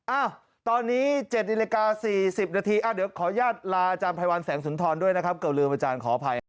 อ้าวตอนนี้๗นาฬิกา๔๐นาทีเดี๋ยวขออนุญาตลาอาจารย์ไพรวัลแสงสุนทรด้วยนะครับเกือบลืมอาจารย์ขออภัย